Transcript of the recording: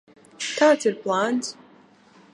Kāds ir plāns?